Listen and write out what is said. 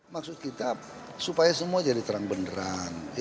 maksud kita supaya semua jadi terang beneran